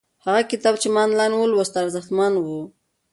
هغه کتاب چې ما آنلاین ولوست ارزښتمن و.